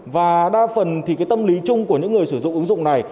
và đa phần thì cái tâm lý chung của những người sử dụng ứng dụng này